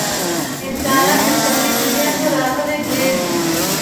انسانان مساوي دنیا ته راغلي دي.